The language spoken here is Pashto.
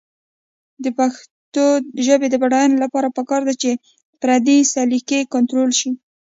د پښتو ژبې د بډاینې لپاره پکار ده چې فردي سلیقې کنټرول شي.